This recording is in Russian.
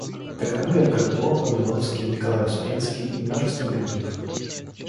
Таковы Эдгар По, Помяловский, Николай Успенский и множество других.